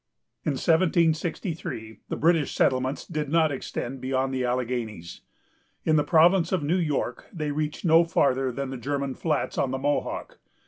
In 1763, the British settlements did not extend beyond the Alleghanies. In the province of New York, they reached no farther than the German Flats, on the Mohawk.